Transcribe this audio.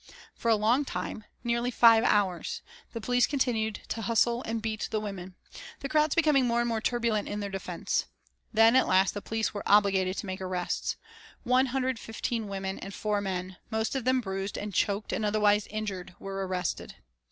For a long time, nearly five hours, the police continued to hustle and beat the women, the crowds becoming more and more turbulent in their defence. Then, at last the police were obliged to make arrests. One hundred and fifteen women and four men, most of them bruised and choked and otherwise injured, were arrested.